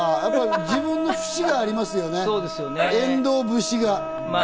自分の節がありますよね、遠藤節が。